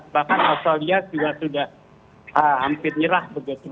bahkan australia juga sudah hampir mirah